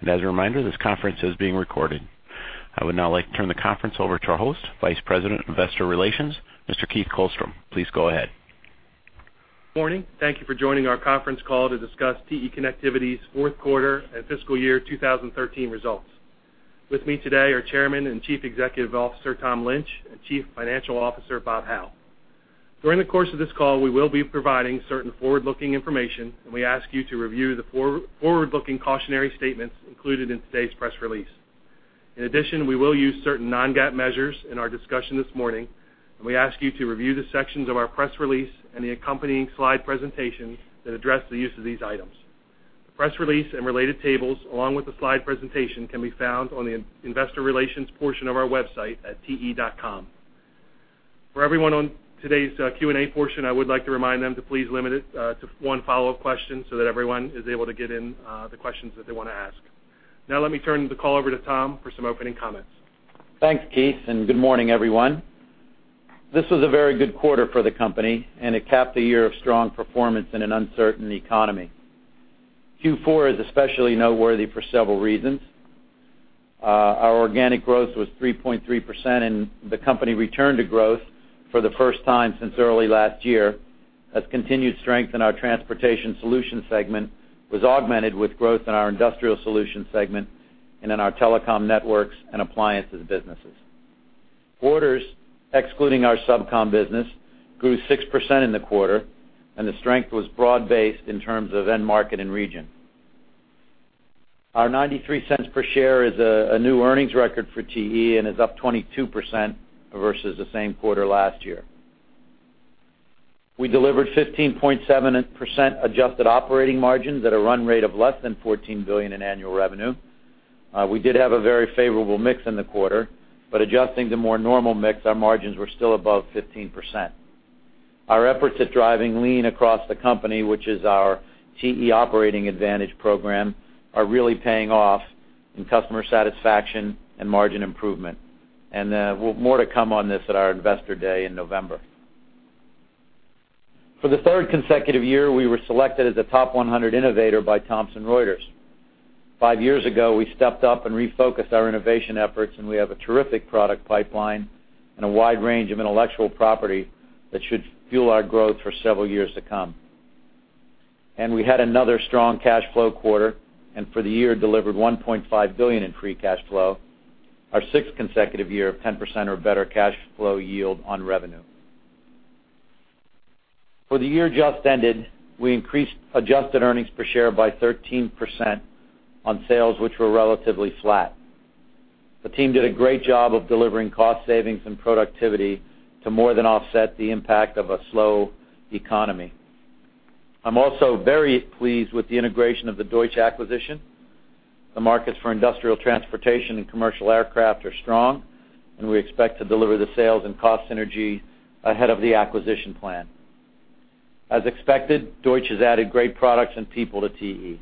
And as a reminder, this conference is being recorded. I would now like to turn the conference over to our host, Vice President of Investor Relations, Mr. Keith Kolstrom. Please go ahead. Morning. Thank you for joining our conference call to discuss TE Connectivity's fourth quarter and fiscal year 2013 results. With me today are Chairman and Chief Executive Officer, Tom Lynch, and Chief Financial Officer, Bob Hau. During the course of this call, we will be providing certain forward-looking information, and we ask you to review the forward-looking cautionary statements included in today's press release. In addition, we will use certain non-GAAP measures in our discussion this morning, and we ask you to review the sections of our press release and the accompanying slide presentation that address the use of these items. The press release and related tables, along with the slide presentation, can be found on the investor relations portion of our website at te.com. For everyone on today's Q&A portion, I would like to remind them to please limit it to one follow-up question so that everyone is able to get in the questions that they wanna ask. Now, let me turn the call over to Tom for some opening comments. Thanks, Keith, and good morning, everyone. This was a very good quarter for the company, and it capped a year of strong performance in an uncertain economy. Q4 is especially noteworthy for several reasons. Our organic growth was 3.3%, and the company returned to growth for the first time since early last year, as continued strength in our Transportation Solutions segment was augmented with growth in our Industrial Solutions segment and in our Telecom Networks and Appliances businesses. Orders, excluding our SubCom business, grew 6% in the quarter, and the strength was broad-based in terms of end market and region. Our $0.93 per share is a new earnings record for TE and is up 22% versus the same quarter last year. We delivered 15.7% adjusted operating margins at a run rate of less than $14 billion in annual revenue. We did have a very favorable mix in the quarter, but adjusting to more normal mix, our margins were still above 15%. Our efforts at driving lean across the company, which is our TE Operating Advantage program, are really paying off in customer satisfaction and margin improvement. And more to come on this at our Investor Day in November. For the third consecutive year, we were selected as a Top 100 Innovator by Thomson Reuters. Five years ago, we stepped up and refocused our innovation efforts, and we have a terrific product pipeline and a wide range of intellectual property that should fuel our growth for several years to come. And we had another strong cash flow quarter, and for the year, delivered $1.5 billion in Free Cash Flow, our sixth consecutive year of 10% or better cash flow yield on revenue. For the year just ended, we increased adjusted earnings per share by 13% on sales, which were relatively flat. The team did a great job of delivering cost savings and productivity to more than offset the impact of a slow economy. I'm also very pleased with the integration of the Deutsch acquisition. The markets for industrial transportation and commercial aircraft are strong, and we expect to deliver the sales and cost synergy ahead of the acquisition plan. As expected, Deutsch has added great products and people to TE.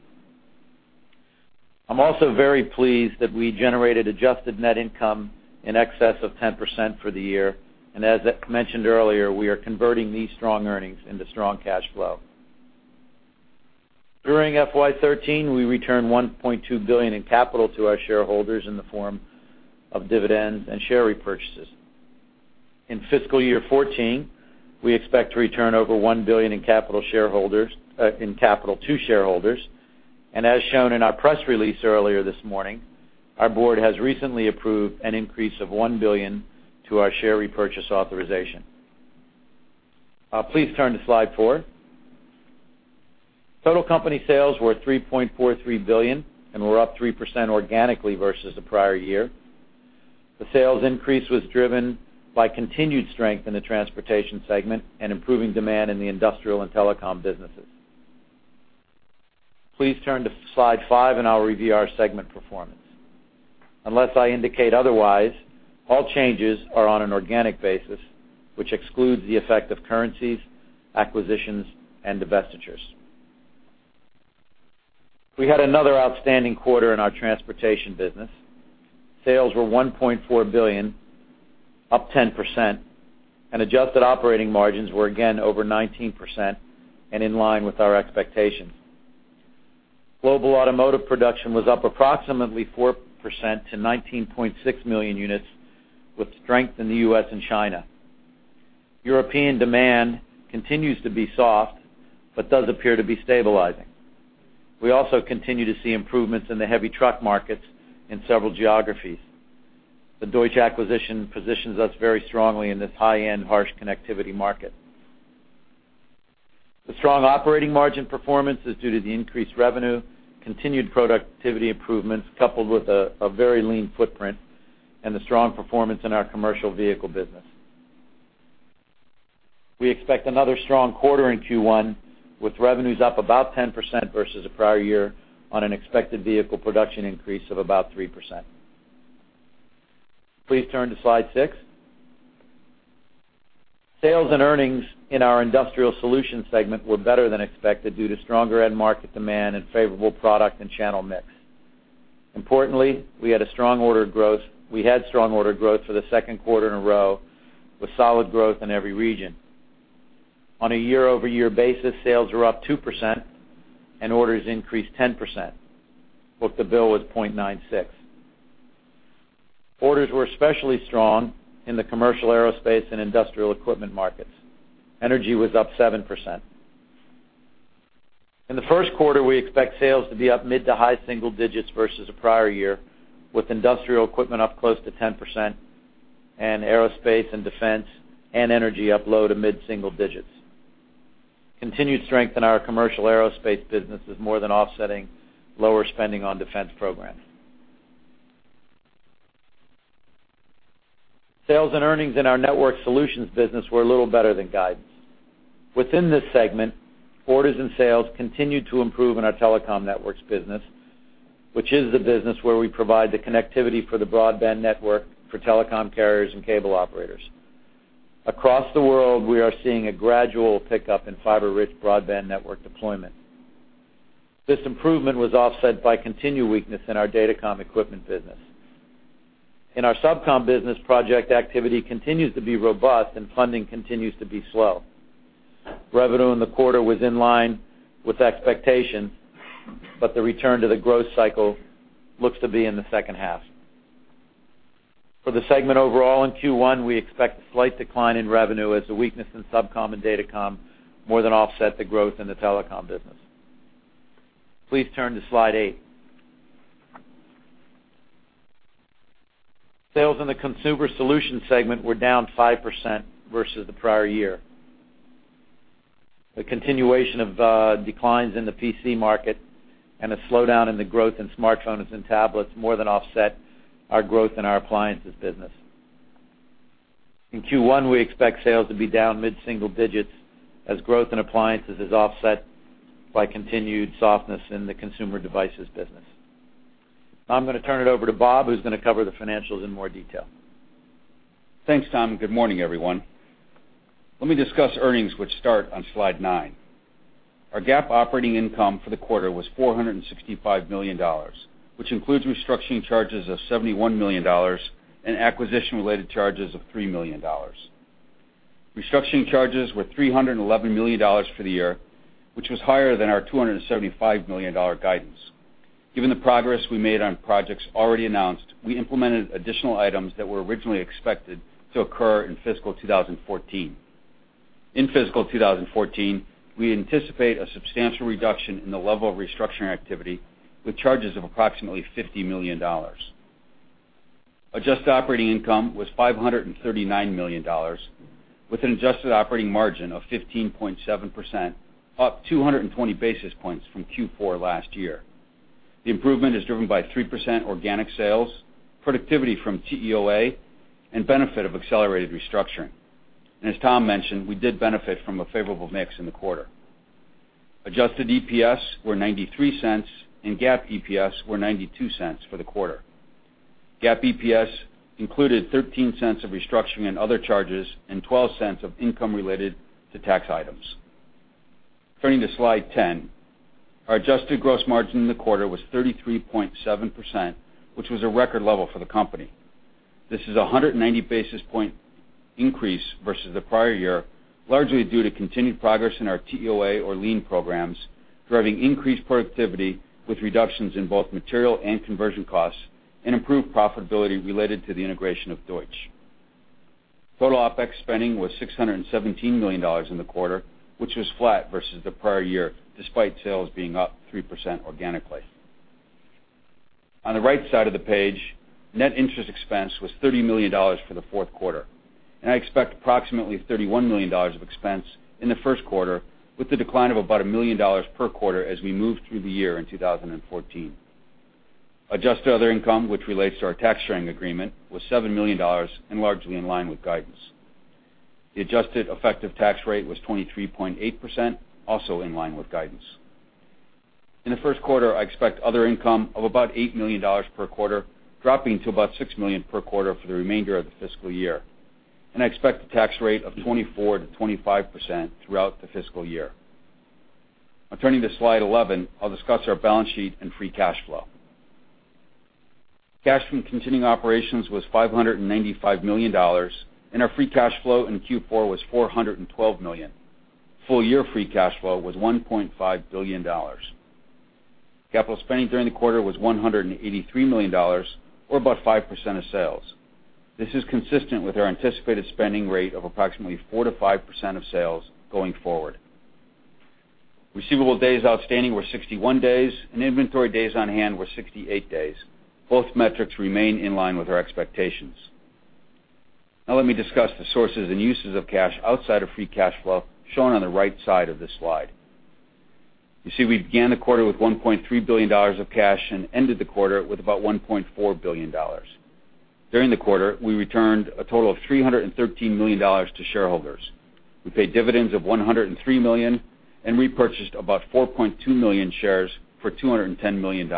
I'm also very pleased that we generated adjusted net income in excess of 10% for the year, and as I mentioned earlier, we are converting these strong earnings into strong cash flow. During FY 2013, we returned $1.2 billion in capital to our shareholders in the form of dividends and share repurchases. In fiscal year 2014, we expect to return over $1 billion in capital to shareholders. And as shown in our press release earlier this morning, our board has recently approved an increase of $1 billion to our share repurchase authorization. Please turn to slide four. Total company sales were $3.43 billion and were up 3% organically versus the prior year. The sales increase was driven by continued strength in the Transportation segment and improving demand in the Industrial and Telecom businesses. Please turn to slide five, and I'll review our segment performance. Unless I indicate otherwise, all changes are on an organic basis, which excludes the effect of currencies, acquisitions, and divestitures. We had another outstanding quarter in our Transportation business. Sales were $1.4 billion, up 10%, and adjusted operating margins were again over 19% and in line with our expectations. Global automotive production was up approximately 4% to 19.6 million units, with strength in the U.S. and China. European demand continues to be soft, but does appear to be stabilizing. We also continue to see improvements in the heavy truck markets in several geographies. The Deutsch acquisition positions us very strongly in this high-end, harsh connectivity market. The strong operating margin performance is due to the increased revenue, continued productivity improvements, coupled with a very lean footprint and the strong performance in our commercial vehicle business. We expect another strong quarter in Q1, with revenues up about 10% versus the prior year on an expected vehicle production increase of about 3%. Please turn to slide six. Sales and earnings in our Industrial Solutions segment were better than expected due to stronger end market demand and favorable product and channel mix. Importantly, we had strong order growth for the second quarter in a row, with solid growth in every region. On a year-over-year basis, sales were up 2%, and orders increased 10%. Book-to-Bill was 0.96. Orders were especially strong in the Commercial Aerospace and industrial equipment markets. Energy was up 7%. In the first quarter, we expect sales to be up mid to high single digits versus the prior year, with industrial equipment up close to 10% and aerospace and defense and energy up low to mid single digits. Continued strength in our Commercial Aerospace business is more than offsetting lower spending on defense programs. Sales and earnings in our Network Solutions business were a little better than guidance. Within this segment, orders and sales continued to improve in our Telecom Networks business, which is the business where we provide the connectivity for the broadband network for telecom carriers and cable operators. Across the world, we are seeing a gradual pickup in fiber-rich broadband network deployment. This improvement was offset by continued weakness in our Datacom Equipment business. In our SubCom business, project activity continues to be robust and funding continues to be slow. Revenue in the quarter was in line with expectations, but the return to the growth cycle looks to be in the second half. For the segment overall, in Q1, we expect a slight decline in revenue as the weakness in SubCom and Datacom more than offset the growth in the Telecom business. Please turn to slide eight. Sales in the Consumer Solutions segment were down 5% versus the prior year. The continuation of, declines in the PC market and a slowdown in the growth in smartphones and tablets more than offset our growth in our Appliances business. In Q1, we expect sales to be down mid-single digits, as growth in Appliances is offset by continued softness in the Consumer Devices business. Now I'm going to turn it over to Bob, who's going to cover the financials in more detail. Thanks, Tom, and good morning, everyone. Let me discuss earnings, which start on slide nine. Our GAAP operating income for the quarter was $465 million, which includes restructuring charges of $71 million and acquisition-related charges of $3 million. Restructuring charges were $311 million for the year, which was higher than our $275 million guidance. Given the progress we made on projects already announced, we implemented additional items that were originally expected to occur in fiscal 2014. In fiscal 2014, we anticipate a substantial reduction in the level of restructuring activity, with charges of approximately $50 million. Adjusted operating income was $539 million, with an adjusted operating margin of 15.7%, up 220 basis points from Q4 last year. The improvement is driven by 3% organic sales, productivity from TEOA, and benefit of accelerated restructuring. As Tom mentioned, we did benefit from a favorable mix in the quarter. Adjusted EPS were $0.93, and GAAP EPS were $0.92 for the quarter. GAAP EPS included $0.13 of restructuring and other charges and $0.12 of income related to tax items. Turning to slide 10. Our adjusted gross margin in the quarter was 33.7%, which was a record level for the company. This is a 190 basis point increase versus the prior year, largely due to continued progress in our TEOA or lean programs, driving increased productivity with reductions in both material and conversion costs, and improved profitability related to the integration of Deutsch. Total OpEx spending was $617 million in the quarter, which was flat versus the prior year, despite sales being up 3% organically. On the right side of the page, net interest expense was $30 million for the fourth quarter, and I expect approximately $31 million of expense in the first quarter, with a decline of about $1 million per quarter as we move through the year in 2014. Adjusted other income, which relates to our tax sharing agreement, was $7 million and largely in line with guidance. The adjusted effective tax rate was 23.8%, also in line with guidance. In the first quarter, I expect other income of about $8 million per quarter, dropping to about $6 million per quarter for the remainder of the fiscal year, and I expect a tax rate of 24%-25% throughout the fiscal year. Now, turning to slide 11, I'll discuss our balance sheet and Free Cash Flow. Cash from continuing operations was $595 million, and our Free Cash Flow in Q4 was $412 million. Full-year Free Cash Flow was $1.5 billion. Capital spending during the quarter was $183 million, or about 5% of sales. This is consistent with our anticipated spending rate of approximately 4%-5% of sales going forward. Receivable days outstanding were 61 days, and inventory days on hand were 68 days. Both metrics remain in line with our expectations. Now let me discuss the sources and uses of cash outside of Free Cash Flow, shown on the right side of this slide. You see, we began the quarter with $1.3 billion of cash and ended the quarter with about $1.4 billion. During the quarter, we returned a total of $313 million to shareholders. We paid dividends of $103 million and repurchased about 4.2 million shares for $210 million.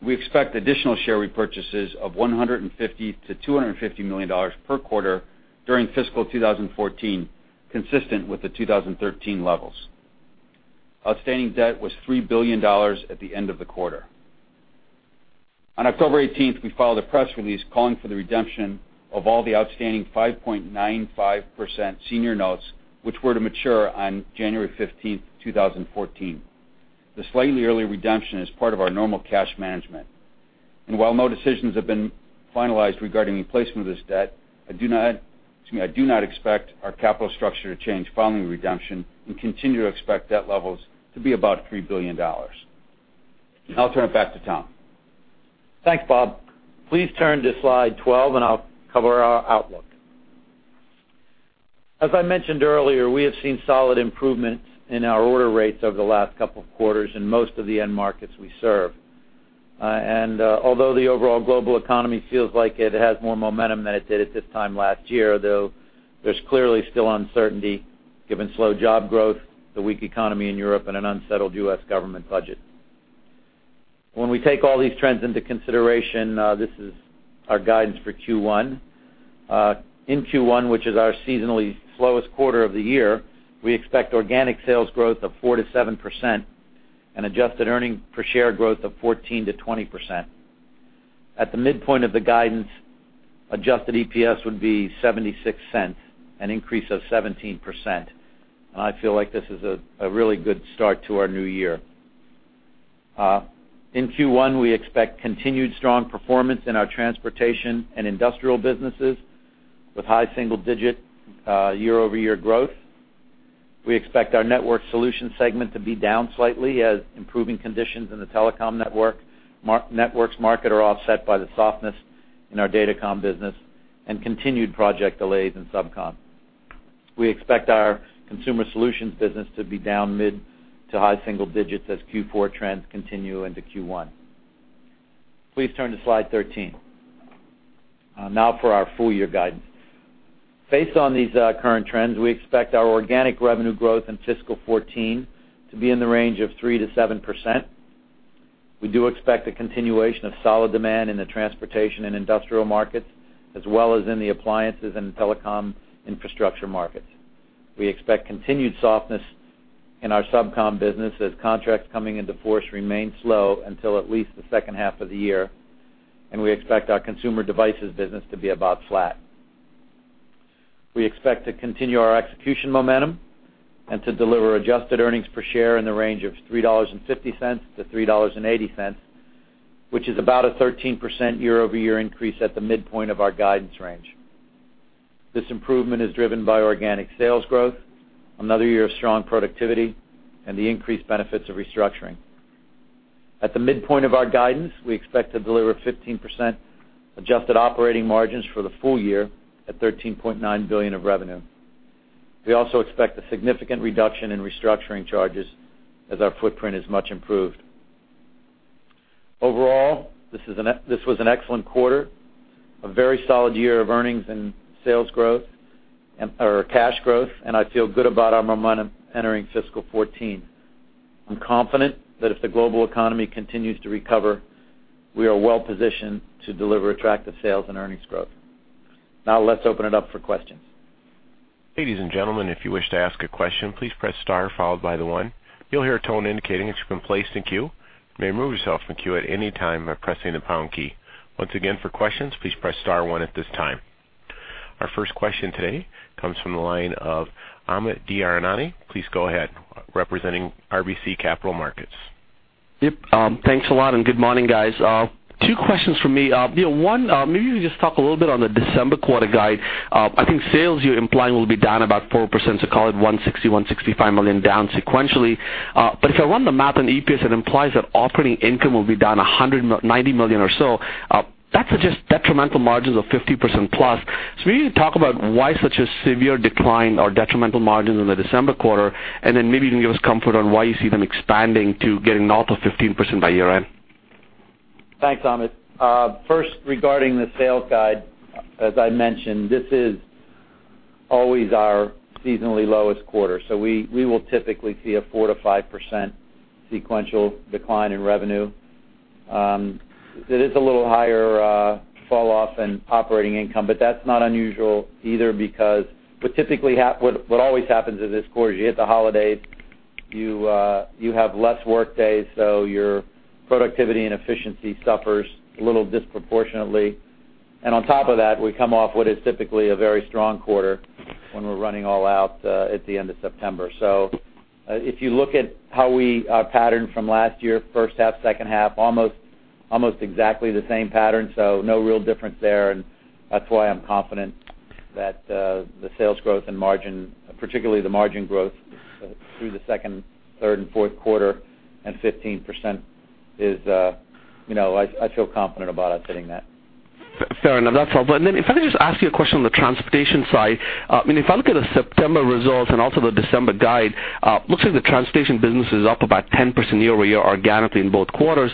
We expect additional share repurchases of $150 million-$250 million per quarter during fiscal 2014, consistent with the 2013 levels. Outstanding debt was $3 billion at the end of the quarter. On October 18th, we filed a press release calling for the redemption of all the outstanding 5.95% senior notes, which were to mature on January 15th, 2014. The slightly early redemption is part of our normal cash management. While no decisions have been finalized regarding the placement of this debt, I do not, excuse me, I do not expect our capital structure to change following the redemption, and continue to expect debt levels to be about $3 billion. I'll turn it back to Tom. Thanks, Bob. Please turn to slide 12, and I'll cover our outlook. As I mentioned earlier, we have seen solid improvements in our order rates over the last couple of quarters in most of the end markets we serve. Although the overall global economy feels like it has more momentum than it did at this time last year, though, there's clearly still uncertainty, given slow job growth, the weak economy in Europe, and an unsettled U.S. government budget. When we take all these trends into consideration, this is our guidance for Q1. In Q1, which is our seasonally slowest quarter of the year, we expect organic sales growth of 4%-7% and adjusted earnings per share growth of 14%-20%. At the midpoint of the guidance, adjusted EPS would be $0.76, an increase of 17%. I feel like this is a really good start to our new year. In Q1, we expect continued strong performance in our Transportation and Industrial businesses, with high single-digit year-over-year growth. We expect our Network Solutions segment to be down slightly, as improving conditions in the Telecom Networks market are offset by the softness in our Datacom business and continued project delays in SubCom. We expect our Consumer Solutions business to be down mid- to high single digits, as Q4 trends continue into Q1. Please turn to slide 13. Now for our full year guidance. Based on these current trends, we expect our organic revenue growth in fiscal 2014 to be in the range of 3%-7%. We do expect a continuation of solid demand in the transportation and industrial markets, as well as in the Appliances and Telecom infrastructure markets. We expect continued softness in our SubCom business, as contracts coming into force remain slow until at least the second half of the year, and we expect our Consumer Devices business to be about flat. We expect to continue our execution momentum and to deliver adjusted earnings per share in the range of $3.50-$3.80, which is about a 13% year-over-year increase at the midpoint of our guidance range. This improvement is driven by organic sales growth, another year of strong productivity, and the increased benefits of restructuring. At the midpoint of our guidance, we expect to deliver 15% adjusted operating margins for the full year at $13.9 billion of revenue. We also expect a significant reduction in Restructuring Charges as our footprint is much improved. Overall, this was an excellent quarter, a very solid year of earnings and sales growth, and, or cash growth, and I feel good about our momentum entering fiscal 2014. I'm confident that if the global economy continues to recover, we are well positioned to deliver attractive sales and earnings growth. Now, let's open it up for questions. Ladies and gentlemen, if you wish to ask a question, please press star followed by the one. You'll hear a tone indicating that you've been placed in queue. You may remove yourself from queue at any time by pressing the pound key. Once again, for questions, please press star one at this time. Our first question today comes from the line of Amit Daryanani. Please go ahead, representing RBC Capital Markets. Yep, thanks a lot, and good morning, guys. Two questions from me. You know, one, maybe you can just talk a little bit on the December quarter guide. I think sales, you're implying, will be down about 4%, so call it $160 million-$165 million, down sequentially. But if I run the math on EPS, it implies that operating income will be down $190 million or so. That's just detrimental margins of 50%+. So maybe you can talk about why such a severe decline or detrimental margins in the December quarter, and then maybe you can give us comfort on why you see them expanding to getting north of 15% by year-end. Thanks, Amit. First, regarding the sales guide, as I mentioned, this is always our seasonally lowest quarter, we will typically see a 4%-5% sequential decline in revenue. It is a little higher falloff in operating income, but that's not unusual either, because what typically happens is this quarter, you hit the holidays, you have less work days, so your productivity and efficiency suffers a little disproportionately. On top of that, we come off what is typically a very strong quarter when we're running all out at the end of September. If you look at how we pattern from last year, first half, second half, almost exactly the same pattern, so no real difference there. That's why I'm confident that the sales growth and margin, particularly the margin growth, through the second, third, and fourth quarter and 15% is, you know, I feel confident about us hitting that. Fair enough. That's all. But then if I could just ask you a question on the transportation side. I mean, if I look at the September results and also the December guide, looks like the Transportation business is up about 10% year-over-year, organically in both quarters.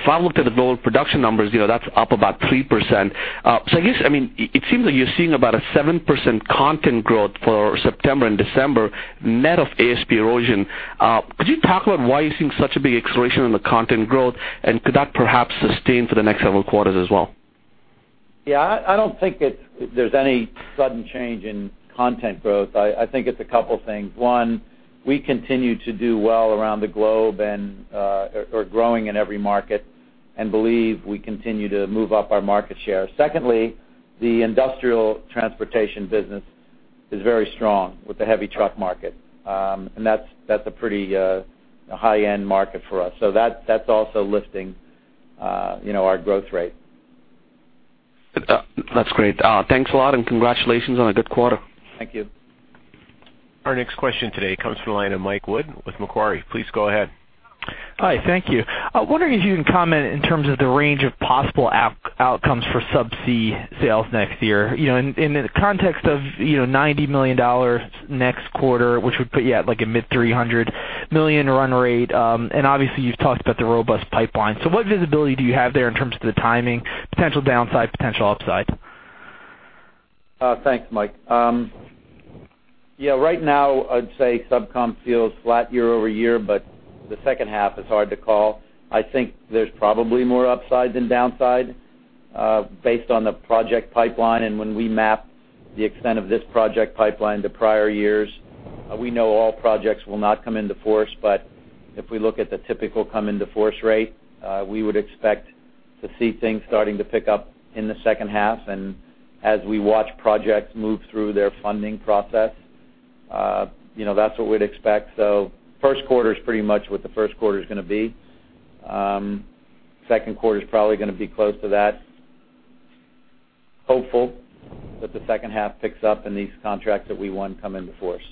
If I looked at the global production numbers, you know, that's up about 3%. So I guess, I mean, it, it seems like you're seeing about a 7% content growth for September and December, net of ASP erosion. Could you talk about why you're seeing such a big acceleration in the content growth, and could that perhaps sustain for the next several quarters as well?... Yeah, I don't think there's any sudden change in content growth. I think it's a couple things. One, we continue to do well around the globe and are growing in every market and believe we continue to move up our market share. Secondly, the Industrial Transportation business is very strong with the heavy truck market, and that's a pretty high-end market for us. So that's also lifting you know, our growth rate. That's great. Thanks a lot, and congratulations on a good quarter. Thank you. Our next question today comes from the line of Mike Wood with Macquarie. Please go ahead. Hi, thank you. I'm wondering if you can comment in terms of the range of possible outcomes for subsea sales next year. You know, in the context of, you know, $90 million next quarter, which would put you at, like, a mid-$300 million run rate, and obviously, you've talked about the robust pipeline. So what visibility do you have there in terms of the timing, potential downside, potential upside? Thanks, Mike. Yeah, right now, I'd say SubCom feels flat year-over-year, but the second half is hard to call. I think there's probably more upside than downside, based on the project pipeline. And when we map the extent of this project pipeline to prior years, we know all projects will not come into force. But if we look at the typical come into force rate, we would expect to see things starting to pick up in the second half. And as we watch projects move through their funding process, you know, that's what we'd expect. So first quarter is pretty much what the first quarter is gonna be. Second quarter is probably gonna be close to that. Hopeful that the second half picks up and these contracts that we won come into force.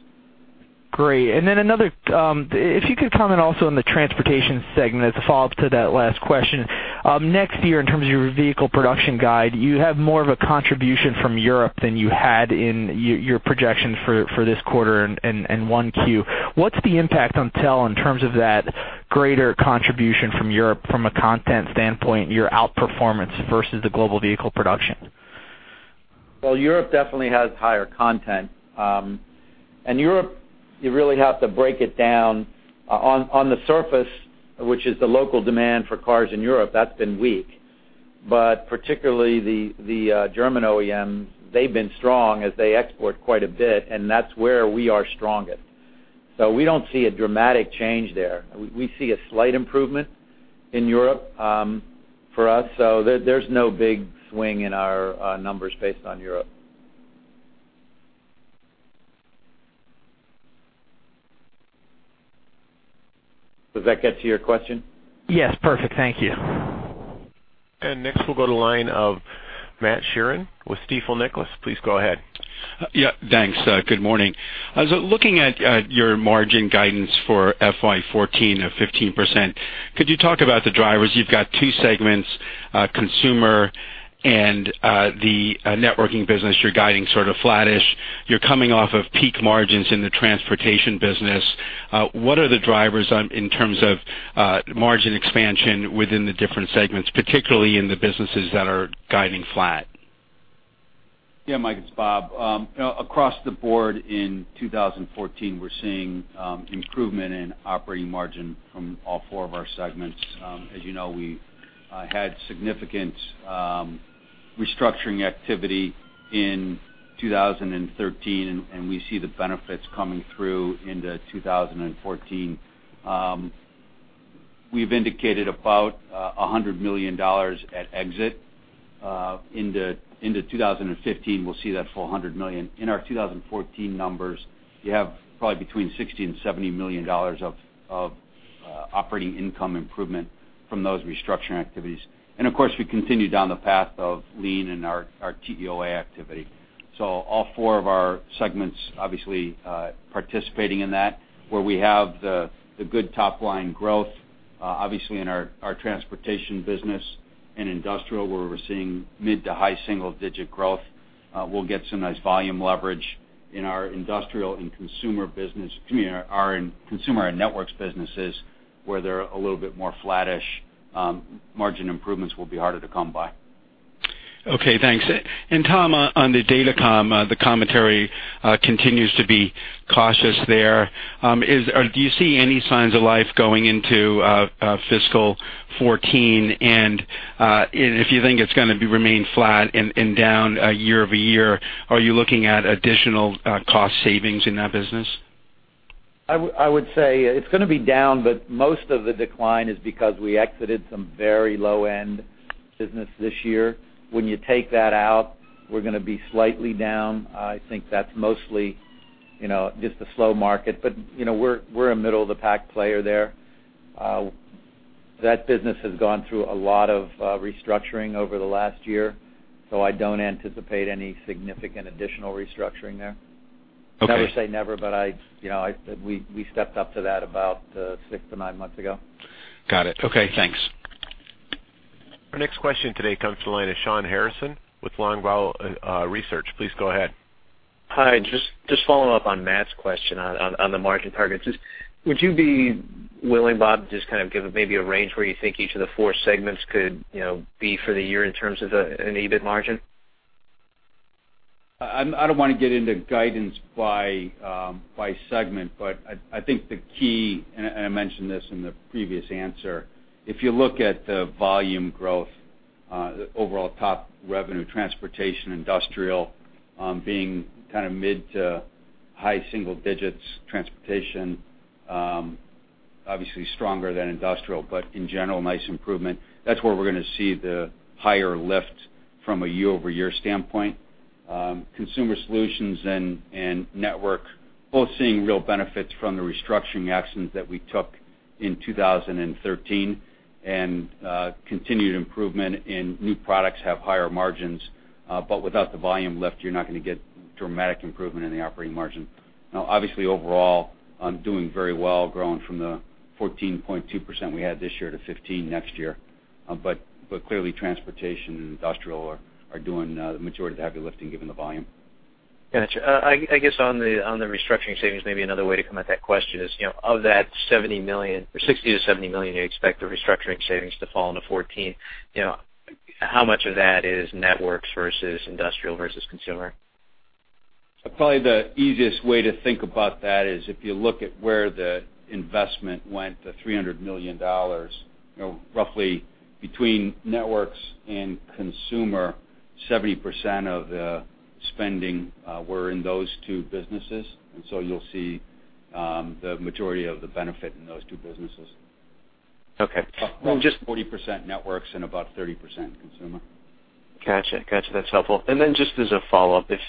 Great. And then another, if you could comment also on the Transportation segment as a follow-up to that last question. Next year, in terms of your vehicle production guide, you have more of a contribution from Europe than you had in your projections for this quarter and 1Q. What's the impact on TE in terms of that greater contribution from Europe from a content standpoint, your outperformance versus the global vehicle production? Well, Europe definitely has higher content. And Europe, you really have to break it down. On the surface, which is the local demand for cars in Europe, that's been weak. But particularly German OEMs, they've been strong as they export quite a bit, and that's where we are strongest. So we don't see a dramatic change there. We see a slight improvement in Europe for us, so there's no big swing in our numbers based on Europe. Does that get to your question? Yes, perfect. Thank you. Next, we'll go to the line of Matt Sheerin with Stifel Nicolaus. Please go ahead. Yeah, thanks. Good morning. I was looking at your margin guidance for FY 2014 of 15%. Could you talk about the drivers? You've got two segments, Consumer and the Networking business. You're guiding sort of flattish. You're coming off of peak margins in the Transportation business. What are the drivers on, in terms of, margin expansion within the different segments, particularly in the businesses that are guiding flat? Yeah, Mike, it's Bob. Across the board in 2014, we're seeing improvement in operating margin from all four of our segments. As you know, we had significant restructuring activity in 2013, and we see the benefits coming through into 2014. We've indicated about $100 million at exit. Into 2015, we'll see that full $100 million. In our 2014 numbers, you have probably between $60 million-$70 million of operating income improvement from those restructuring activities. And of course, we continue down the path of lean and our TEOA activity. So all four of our segments, obviously, participating in that, where we have the good top line growth, obviously in our Transportation business and Industrial, where we're seeing mid- to high-single-digit growth, we'll get some nice volume leverage in our Industrial and Consumer business. I mean, our Consumer and Networks businesses, where they're a little bit more flattish, margin improvements will be harder to come by. Okay, thanks. And Tom, on the Datacom, the commentary continues to be cautious there. Do you see any signs of life going into fiscal 2014? And, if you think it's gonna remain flat and down year-over-year, are you looking at additional cost savings in that business? I would say it's gonna be down, but most of the decline is because we exited some very low-end business this year. When you take that out, we're gonna be slightly down. I think that's mostly, you know, just a slow market, but, you know, we're a middle-of-the-pack player there. That business has gone through a lot of restructuring over the last year, so I don't anticipate any significant additional restructuring there. Okay. Never say never, but you know, we stepped up to that about six to nine months ago. Got it. Okay, thanks. Our next question today comes from the line of Shawn Harrison with Longbow Research. Please go ahead. Hi, just following up on Matt's question on the margin targets. Just would you be willing, Bob, just kind of give maybe a range where you think each of the four segments could, you know, be for the year in terms of an EBIT margin? ... I don't wanna get into guidance by segment, but I think the key, and I mentioned this in the previous answer, if you look at the volume growth, the overall top revenue, Transportation, Industrial, being kind of mid- to high-single digits, Transportation, obviously stronger than Industrial, but in general, nice improvement. That's where we're gonna see the higher lift from a year-over-year standpoint. Consumer Solutions and Network, both seeing real benefits from the restructuring actions that we took in 2013, and continued improvement in new products have higher margins, but without the volume lift, you're not gonna get dramatic improvement in the operating margin. Now, obviously overall, I'm doing very well growing from the 14.2% we had this year to 15% next year. But clearly, Transportation and Industrial are doing the majority of the heavy lifting, given the volume. Gotcha. I guess, on the restructuring savings, maybe another way to come at that question is, you know, of that $70 million or $60-$70 million, you expect the restructuring savings to fall into 2014, you know, how much of that is Network Solutions versus Industrial Solutions versus Consumer Solutions? Probably the easiest way to think about that is if you look at where the investment went, the $300 million, you know, roughly between networks and consumer, 70% of the spending were in those two businesses. And so you'll see the majority of the benefit in those two businesses. Okay. Well, just- 40% networks and about 30% consumer. Gotcha. Gotcha, that's helpful. And then just as a follow-up, if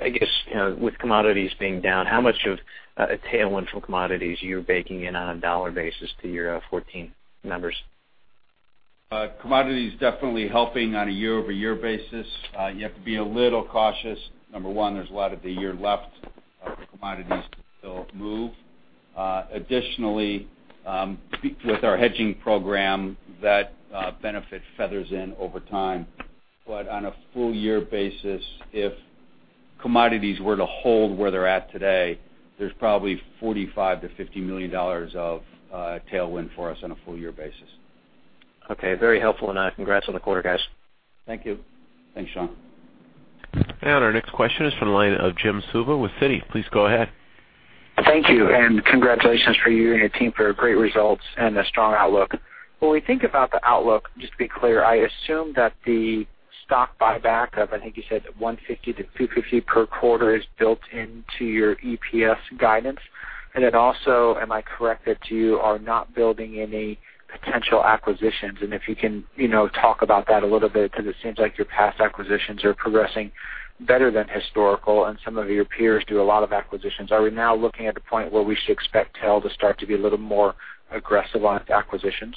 I guess, you know, with commodities being down, how much of a tailwind from commodities you're baking in on a dollar basis to your 2014 numbers? Commodities definitely helping on a year-over-year basis. You have to be a little cautious. Number one, there's a lot of the year left, the commodities still move. Additionally, with our hedging program, that benefit feathers in over time. But on a full year basis, if commodities were to hold where they're at today, there's probably $45 million-$50 million of tailwind for us on a full year basis. Okay. Very helpful, and, congrats on the quarter, guys. Thank you. Thanks, Shawn. Our next question is from the line of Jim Suva with Citi. Please go ahead. Thank you, and congratulations for you and your team for your great results and a strong outlook. When we think about the outlook, just to be clear, I assume that the stock buyback of, I think you said, $150-$250 per quarter, is built into your EPS guidance. And then also, am I correct that you are not building any potential acquisitions? And if you can, you know, talk about that a little bit, because it seems like your past acquisitions are progressing better than historical, and some of your peers do a lot of acquisitions. Are we now looking at the point where we should expect Tel to start to be a little more aggressive on acquisitions?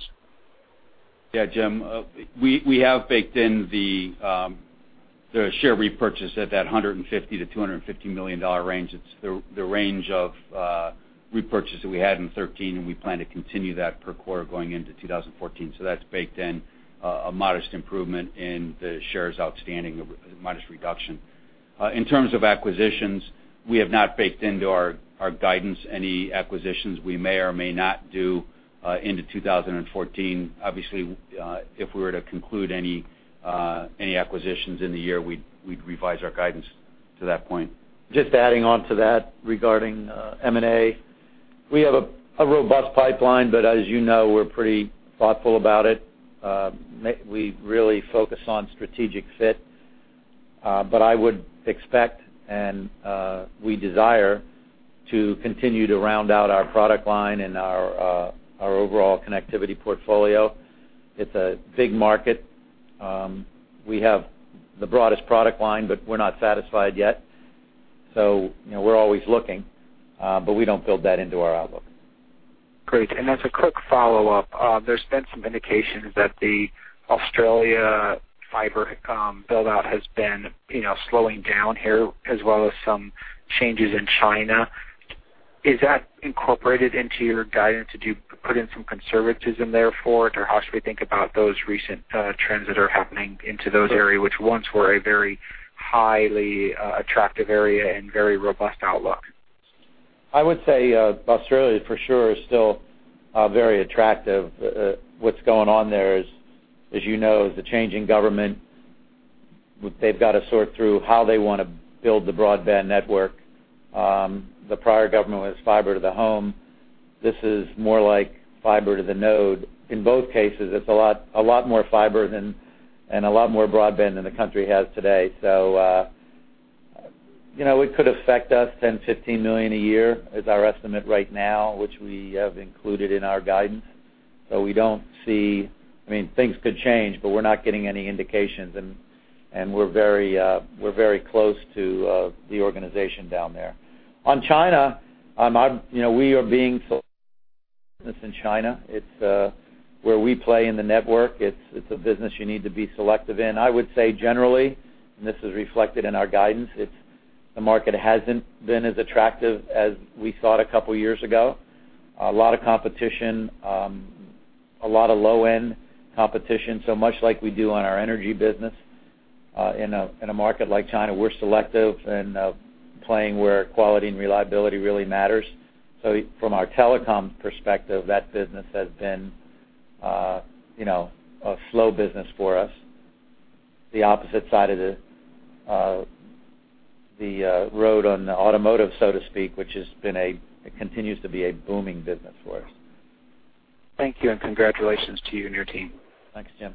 Yeah, Jim, we have baked in the share repurchase at that $150 million-$250 million range. It's the range of repurchase that we had in 2013, and we plan to continue that per quarter going into 2014. So that's baked in, a modest improvement in the shares outstanding, a modest reduction. In terms of acquisitions, we have not baked into our guidance any acquisitions we may or may not do into 2014. Obviously, if we were to conclude any acquisitions in the year, we'd revise our guidance to that point. Just adding on to that, regarding M&A, we have a robust pipeline, but as you know, we're pretty thoughtful about it. We really focus on strategic fit, but I would expect, and we desire to continue to round out our product line and our overall connectivity portfolio. It's a big market. We have the broadest product line, but we're not satisfied yet. So, you know, we're always looking, but we don't build that into our outlook. Great. And as a quick follow-up, there's been some indications that the Australia fiber build-out has been, you know, slowing down here, as well as some changes in China. Is that incorporated into your guidance? Did you put in some conservatism there for it, or how should we think about those recent trends that are happening into those areas, which once were a very highly attractive area and very robust outlook? I would say, Australia, for sure, is still very attractive. What's going on there is, as you know, the change in government, they've got to sort through how they want to build the broadband network. The prior government was fiber to the home. This is more like fiber to the node. In both cases, it's a lot, a lot more fiber than, and a lot more broadband than the country has today. So, you know, it could affect us $10 million-$15 million a year, is our estimate right now, which we have included in our guidance. So we don't see... I mean, things could change, but we're not getting any indications, and, and we're very, we're very close to the organization down there. On China, I'm, you know, we are being...... you know, a slow business for us. The opposite side of the road on the automotive, so to speak, which continues to be a booming business for us. Thank you, and congratulations to you and your team. Thanks, Jim.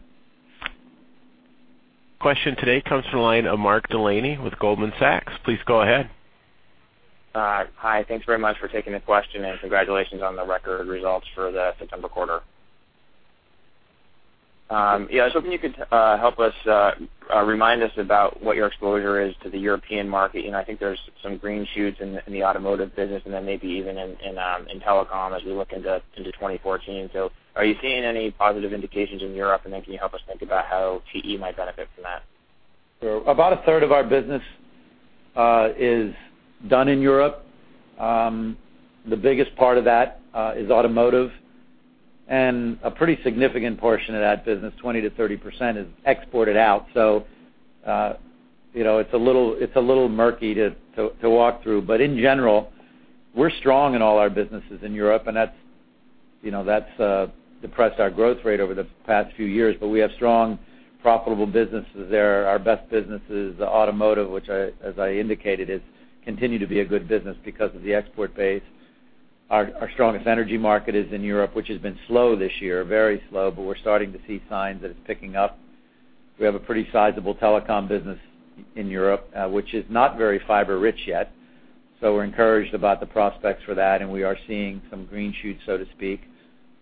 Question today comes from the line of Mark Delaney with Goldman Sachs. Please go ahead. Hi. Thanks very much for taking the question, and congratulations on the record results for the September quarter. Yeah, I was hoping you could remind us about what your exposure is to the European market. You know, I think there's some green shoots in the automotive business and then maybe even in Telecom as we look into 2014. So are you seeing any positive indications in Europe? And then can you help us think about how TE might benefit from that? So about a third of our business is done in Europe. The biggest part of that is automotive. And a pretty significant portion of that business, 20%-30%, is exported out. So, you know, it's a little murky to walk through. But in general, we're strong in all our businesses in Europe, and that's, you know, that's depressed our growth rate over the past few years. But we have strong, profitable businesses there. Our best businesses, the automotive, which, as I indicated, continues to be a good business because of the export base. Our strongest energy market is in Europe, which has been slow this year, very slow, but we're starting to see signs that it's picking up. We have a pretty sizable Telecom business in Europe, which is not very fiber rich yet, so we're encouraged about the prospects for that, and we are seeing some green shoots, so to speak,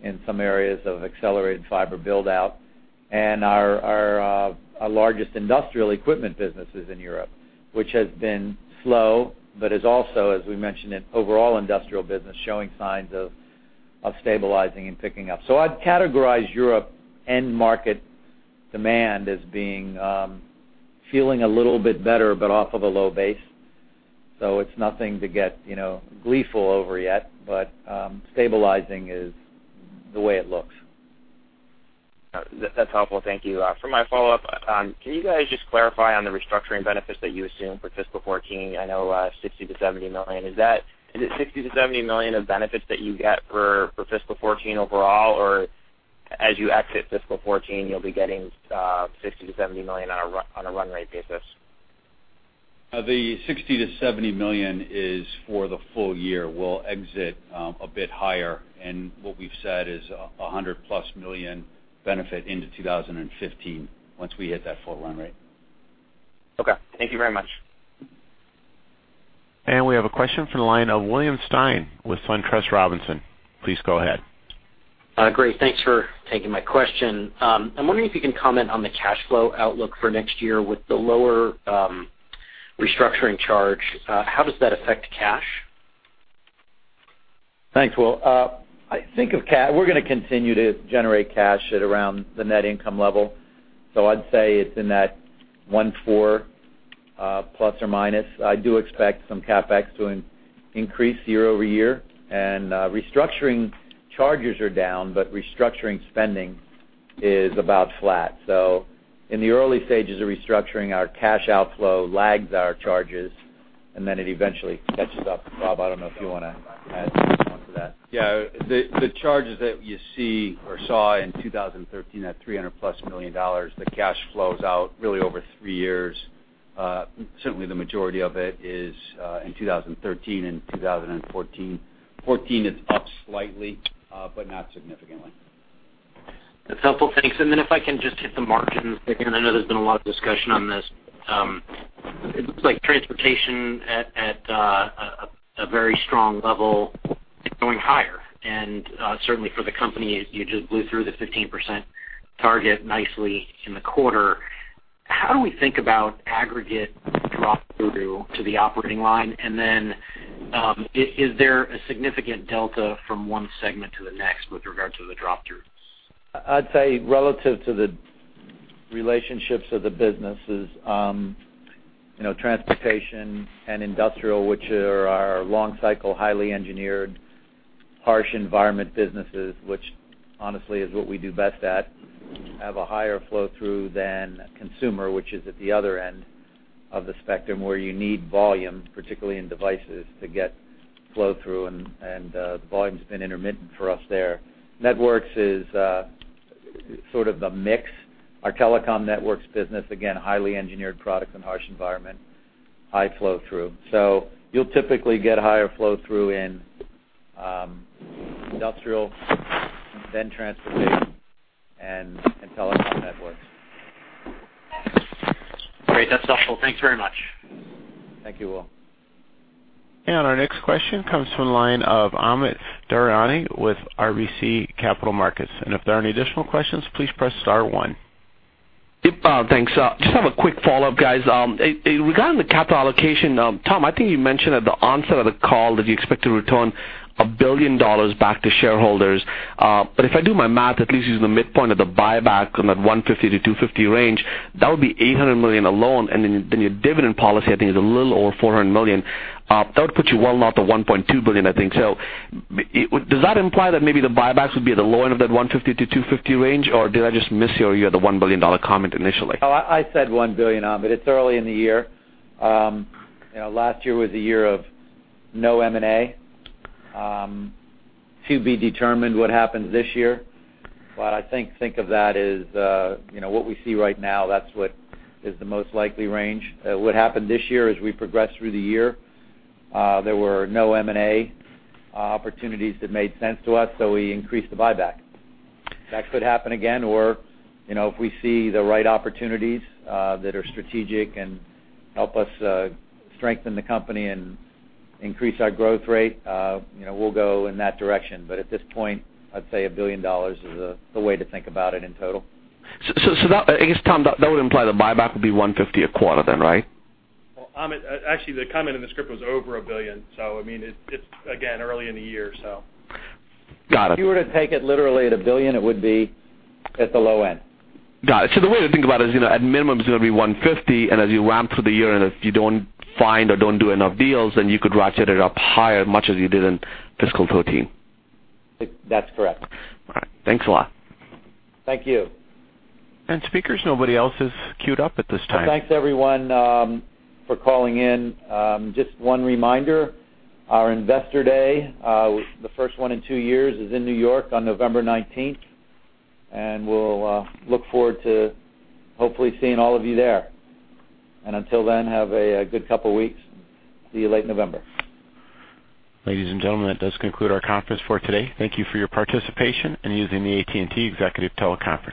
in some areas of accelerated fiber build-out. Our largest industrial equipment business is in Europe, which has been slow, but is also, as we mentioned, in overall Industrial business, showing signs of stabilizing and picking up. So I'd categorize Europe end market demand as being feeling a little bit better, but off of a low base. So it's nothing to get, you know, gleeful over yet, but stabilizing is the way it looks. Got it. That's helpful. Thank you. For my follow-up, can you guys just clarify on the restructuring benefits that you assume for fiscal 2014? I know, $60 million-$70 million. Is that, is it $60 million-$70 million of benefits that you get for, for fiscal 2014 overall, or as you exit fiscal 2014, you'll be getting, $60 million-$70 million on a run, on a run rate basis? The $60 million-$70 million is for the full year. We'll exit a bit higher, and what we've said is a $100+ million benefit into 2015, once we hit that full run rate. Okay, thank you very much. We have a question from the line of William Stein with SunTrust Robinson. Please go ahead. Great. Thanks for taking my question. I'm wondering if you can comment on the cash flow outlook for next year. With the lower restructuring charge, how does that affect cash? Thanks, Will. I think we're gonna continue to generate cash at around the net income level. So I'd say it's in that 1.4 ±. I do expect some CapEx to increase year-over-year, and restructuring charges are down, but restructuring spending is about flat. So in the early stages of restructuring, our cash outflow lags our charges, and then it eventually catches up. Bob, I don't know if you wanna add anything to that. Yeah, the charges that you see or saw in 2013 at $300+ million, the cash flows out really over three years. Certainly the majority of it is in 2013 and 2014. 2014, it's up slightly, but not significantly. That's helpful. Thanks. And then if I can just hit the margins, and I know there's been a lot of discussion on this. It looks like transportation at a very strong level and going higher. And certainly for the company, you just blew through the 15% target nicely in the quarter. How do we think about aggregate drop-through to the operating line? And then, is there a significant delta from one segment to the next with regard to the drop-throughs? I'd say relative to the relationships of the businesses, you know, Transportation and Industrial, which are our long cycle, highly engineered, harsh environment businesses, which honestly is what we do best at, have a higher flow-through than consumer, which is at the other end of the spectrum, where you need volume, particularly in devices, to get flow-through and the volume's been intermittent for us there. Networks is sort of the mix. Our Telecom Networks business, again, highly engineered products and harsh environment, high flow-through. So you'll typically get higher flow-through in Industrial, then Transportation and in Telecom networks. Great. That's helpful. Thanks very much. Thank you, Will. Our next question comes from the line of Amit Daryanani with RBC Capital Markets, and if there are any additional questions, please press star one. Thanks. Just have a quick follow-up, guys. Regarding the capital allocation, Tom, I think you mentioned at the onset of the call that you expect to return $1 billion back to shareholders. But if I do my math, at least using the midpoint of the buyback on that $150 million-$250 million range, that would be $800 million alone, and then, then your dividend policy, I think, is a little over $400 million. That would put you well north of $1.2 billion, I think. Does that imply that maybe the buybacks would be at the low end of that $150 million-$250 million range, or did I just miss you, or you had the $1 billion comment initially? Oh, I said $1 billion, Amit. It's early in the year. You know, last year was a year of no M&A. To be determined what happens this year. But I think of that as, you know, what we see right now, that's what is the most likely range. What happened this year, as we progressed through the year, there were no M&A opportunities that made sense to us, so we increased the buyback. That could happen again, or, you know, if we see the right opportunities, that are strategic and help us, strengthen the company and increase our growth rate, you know, we'll go in that direction. But at this point, I'd say $1 billion is the way to think about it in total. So that, I guess, Tom, that would imply the buyback would be $150 a quarter then, right? Well, Amit, actually, the comment in the script was over $1 billion, so I mean, it's, again, early in the year, so. Got it. If you were to take it literally at $1 billion, it would be at the low end. Got it. So the way to think about it is, you know, at minimum, it's gonna be $150, and as you ramp through the year, and if you don't find or don't do enough deals, then you could ratchet it up higher, much as you did in fiscal 2013. That's correct. All right. Thanks a lot. Thank you. Speakers, nobody else is queued up at this time. Well, thanks, everyone, for calling in. Just one reminder, our investor day, the first one in two years, is in New York on November 19th, and we'll look forward to hopefully seeing all of you there. And until then, have a good couple of weeks. See you late November. Ladies and gentlemen, that does conclude our conference for today. Thank you for your participation in using the AT&T Executive Teleconference.